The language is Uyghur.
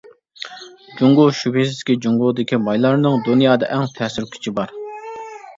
جۇڭگو شۈبھىسىزكى جۇڭگودىكى بايلارنىڭ دۇنيادا ئەڭ تەسىر كۈچى بار.